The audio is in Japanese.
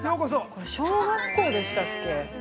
これ、小学校でしたっけ。